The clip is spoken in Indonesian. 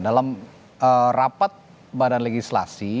dalam rapat badan legislasi